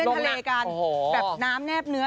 แบบน้ำแนบเนื้อ